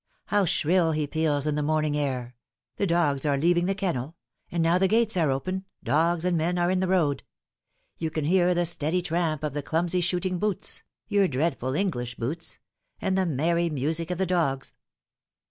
How shrill he peals in the morning air ! The dogs are leaving the kennel and now the gates are open, dogs and men are in the road. You can hear the steady tramp of the clumsy shooting boots your dreadful English boots and the merry music of the dogs.